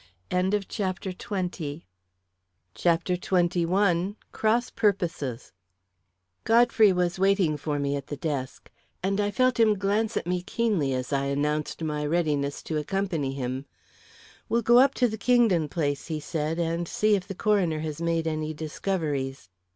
CHAPTER XXI Cross Purposes Godfrey was waiting for me at the desk, and I felt him glance at me keenly as I announced my readiness to accompany him. "We'll go up to the Kingdon place," he said, "and see if the coroner has made any discoveries.